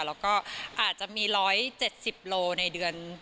แล้วก็อาจจะมี๑๗๐โลในเดือน